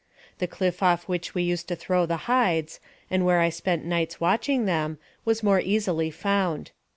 The cliff off which we used to throw the hides, and where I spent nights watching them, was more easily found.